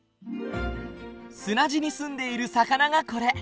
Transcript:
砂地に住んでいる魚がこれ。